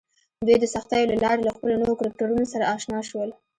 دوی د سختیو له لارې له خپلو نویو کرکټرونو سره اشنا شول